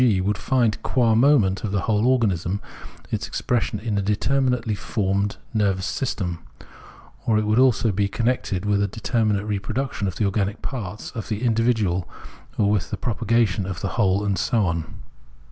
g., would find, qua moment of the whole organism, its expression in a determinately formed nervous system, or it would also be connected with a determinate reproduction of the organic parts of the individual or with the propagation of the whole, and so on.